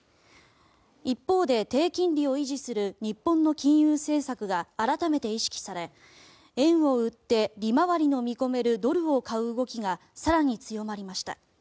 一方で、低金利を維持する日本の金融政策が改めて意識され円を売って、利回りの見込めるドルを買う動きが更に強まりました。